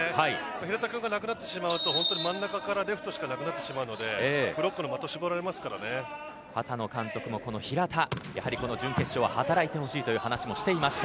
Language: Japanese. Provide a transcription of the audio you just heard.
平田君がいなくなってしまうと真ん中からレフトしかなくなってしまうのでブロックの的が畑野監督も平田準決勝は働いてほしいと話していました。